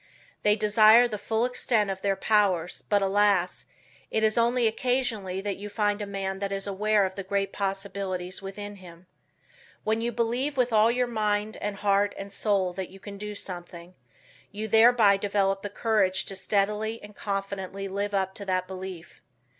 They desire the full extent of their powers, but alas, it is only occasionally that you find a man that is aware of the great possibilities within him. When you believe with all your mind and heart and soul that you can do something, you thereby develop the courage to steadily and confidently live up to that belief.